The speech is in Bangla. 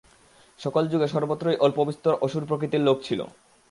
সকল যুগে সর্বত্রই অল্পবিস্তর অসুরপ্রকৃতির লোক ছিল।